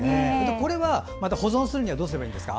これはまた、保存するにはどうすればいいんですか？